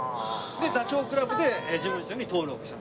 で「ダチョウ倶楽部」で事務所に登録したんです。